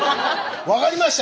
分かりました。